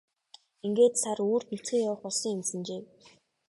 Ингээд сар үүрд нүцгэн явах болсон юмсанжээ.